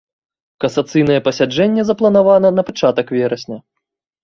Касацыйнае пасяджэнне запланавана на пачатак верасня.